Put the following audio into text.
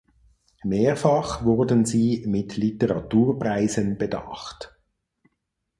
Mehrfach wurden sie mit Literaturpreisen bedacht.